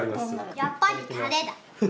やっぱりタレだ。